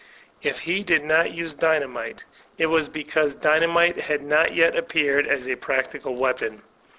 If he did not use dynamite, it was because dynamite had not yet appeared as a practical weapon.